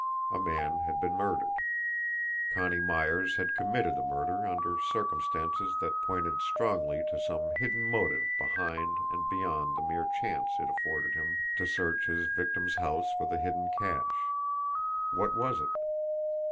A man had been murdered. Connie Myers had committed the murder under circumstances that pointed strongly to some hidden motive behind and beyond the mere chance it afforded him to search his victim's house for the hidden cash. What was it?